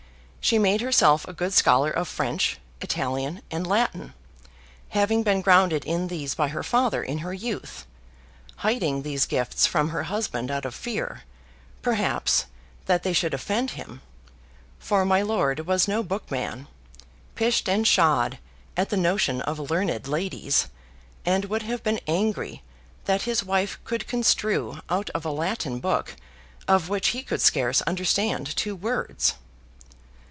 She made herself a good scholar of French, Italian, and Latin, having been grounded in these by her father in her youth; hiding these gifts from her husband out of fear, perhaps, that they should offend him, for my lord was no bookman pish'd and psha'd at the notion of learned ladies, and would have been angry that his wife could construe out of a Latin book of which he could scarce understand two words.